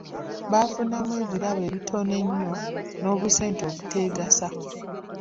Bafunamu ebirabo ebitono ennyo n'obusente obuteegasa.